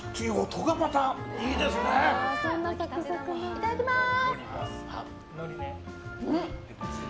いただきます！